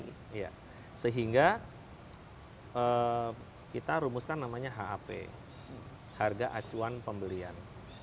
iya sehingga kita rumuskan namanya hap harga acuan pembelian